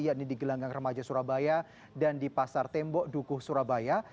yakni di gelanggang remaja surabaya dan di pasar tembok dukuh surabaya